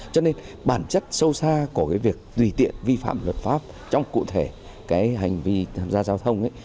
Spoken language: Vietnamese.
cho nên bản chất sâu xa của cái việc tùy tiện vi phạm luật pháp trong cụ thể cái hành vi tham gia giao thông ấy